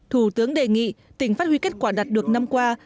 thủ tướng đề nghị tỉnh phát huy kết quả đạt được năm qua